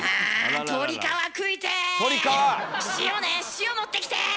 塩持ってきて。